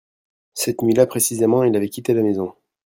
cette nuit-là précisément il avait quitté la maison.